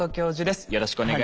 よろしくお願いします。